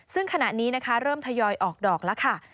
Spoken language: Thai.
ซึ่งขณะนี้นะคะเริ่มทยอยออกดอกแล้วค่ะ